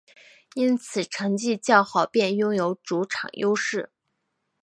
因此成绩较好便拥有主场优势。